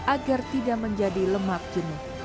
agar tidak menjadi lemak jenuh